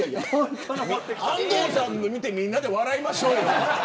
安藤さんのを見てみんなで笑いましょうよ。